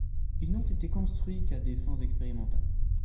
Ils n'ont été construits qu'à des fins expérimentales.